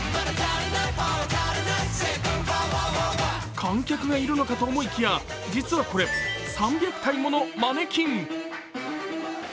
観客がいるのかと思いきや、実はこれ３００体ものマネキン。